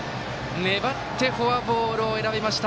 粘ってフォアボールを選びました。